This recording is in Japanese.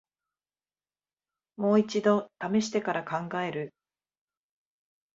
もう一度ためしてから考える